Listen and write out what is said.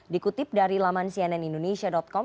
dikutip dari laman cnnindonesia com